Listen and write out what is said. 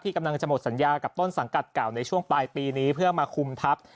กำลังจะหมดสัญญากับต้นสังกัดเก่าในช่วงปลายปีนี้เพื่อมาคุมทัพ